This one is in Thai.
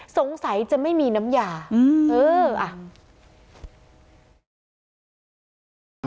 สงสัยจะไม่มีน้ำยาอืมเอออ่ะ